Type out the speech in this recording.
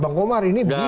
bang komar ini bisa ya ini